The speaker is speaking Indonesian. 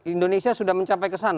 indonesia sudah mencapai kesana